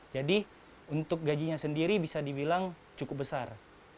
jadi untuk gajinya sendiri bisa dibilang cukup besar